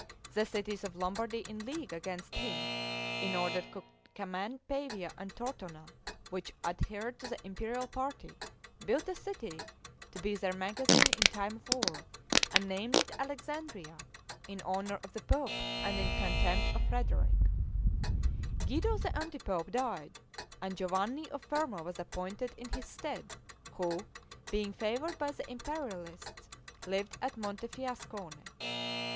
The cities of Lombardy in league against him, in order to command Pavia and Tortona, which adhered to the imperial party, built a city, to be their magazine in time of war, and named in Alexandria, in honor of the pope and in contempt of Frederick. Guido the anti pope died, and Giovanni of Fermo was appointed in his stead, who, being favored by the imperialists, lived at Montefiascone.